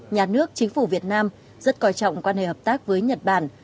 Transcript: nhà nước chính phủ việt nam rất coi trọng quan hệ hợp tác với nhật bản